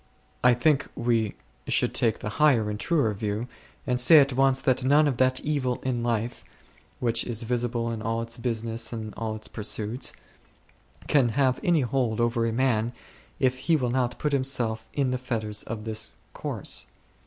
I think we should take the higher and truer view, and say at once that none of that evil in life, which is visible in all its business and in all its pursuits, can have any hold over a man, if he will not put himself in the fetters of this course.